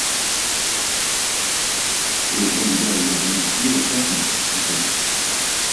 Les candidats ayant réussi reçoivent un certificat.